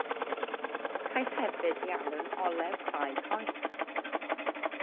Caiff hefyd ei alw'n “olew crai coeth”.